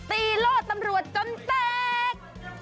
ตีโลดตำรวจจนแตก